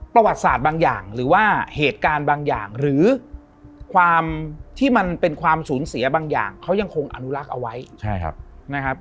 ประวัติศาสตร์บางอย่างหรือว่าเหตุการณ์บางอย่างหรือความที่มันเป็นความสูญเสียบางอย่างเขายังคงอนุรักษ์เอาไว้นะครับ